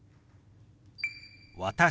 「私」。